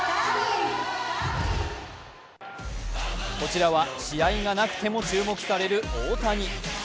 こちらは試合がなくても注目される大谷。